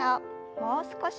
もう少し。